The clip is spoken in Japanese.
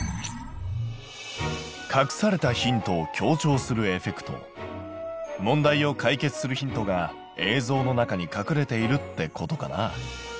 隠されたヒントを強調するエフェクト問題を解決するヒントが映像の中に隠れているってことかな。